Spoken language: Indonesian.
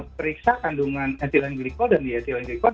periksa kandungan ethylene gliko dan dietylene gliko